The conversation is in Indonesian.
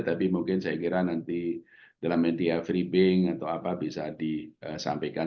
tapi mungkin saya kira nanti dalam media freebing atau apa bisa disampaikan